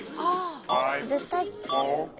絶対。